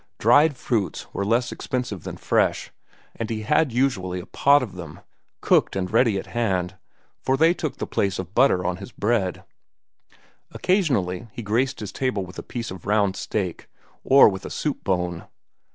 Dried fruits were less expensive than fresh, and he had usually a pot of them, cooked and ready at hand, for they took the place of butter on his bread. Occasionally he graced his table with a piece of round steak, or with a soup bone.